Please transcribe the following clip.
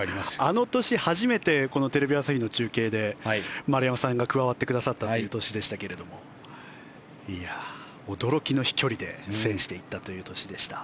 あの年、初めてこのテレビ朝日の中継で丸山さんが加わってくださったという年でしたが驚きの飛距離で制していったという年でした。